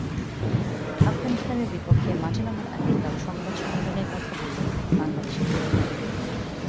আফগানিস্তানের বিপক্ষে মাঠে নামার আগে কাল সংবাদ সম্মেলনে কথা বললেন বাংলাদেশ অধিনায়ক।